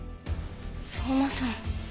相馬さん。